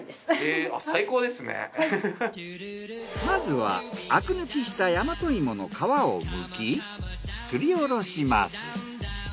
まずはアク抜きした大和芋の皮をむきすりおろします。